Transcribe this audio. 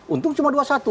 untung cuma dua satu